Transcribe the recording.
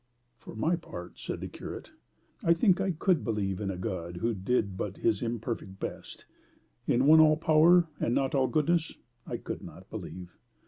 "For my part," said the curate, "I think I COULD believe in a God who did but his imperfect best: in one all power, and not all goodness, I could not believe.